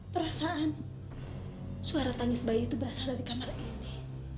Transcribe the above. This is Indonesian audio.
perasaan suara tangis bayi itu berasal dari kamar ini